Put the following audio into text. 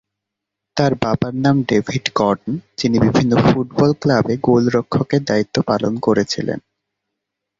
তার বাবার নাম ডেভিড গর্ডন, যিনি বিভিন্ন ফুটবল ক্লাবে গোলরক্ষকের দায়িত্ব পালন করেছিলেন।